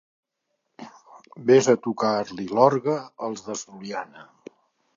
Ves a tocar-li l'orgue al de Sollana!